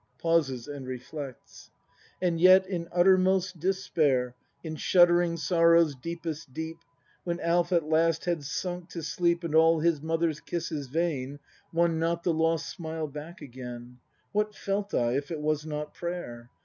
— [Pauses and reflects.^ And yet in uttermost despair, In shuddering sorrow's deepest deep, When Alf at last had sunk to sleep, And all his mother's kisses vain Won not the lost smile back again — What felt I — if it was not prayer?